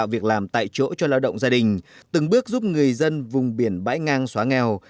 việc làm tại chỗ cho lao động gia đình từng bước giúp người dân vùng biển bãi ngang xóa nghèo